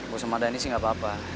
gue sama dani sih gak apa apa